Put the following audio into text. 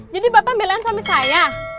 jadi bapak belain suami saya